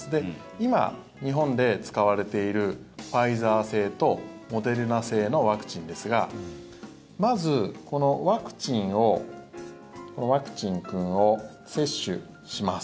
今、日本で使われているファイザー製とモデルナ製のワクチンですがまず、ワクチンをワクチン君を接種します。